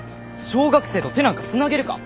小学生と手なんかつなげるか。